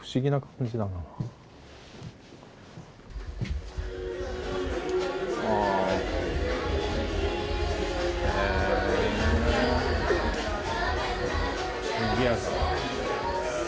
にぎやか。